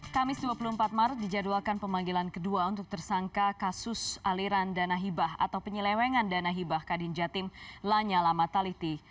kamis dua puluh empat maret dijadwalkan pemanggilan kedua untuk tersangka kasus aliran dana hibah atau penyelewengan dana hibah kadin jatim lanyala mataliti